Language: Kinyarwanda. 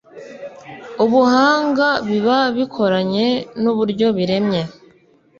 ubuhanga biba bikoranye n’uburyo biremye